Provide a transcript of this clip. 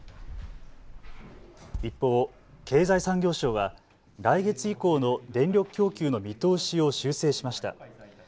一方、経済産業省は来月以降の電力供給の見通しを修正しました。